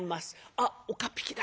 「あっ岡っ引きだ。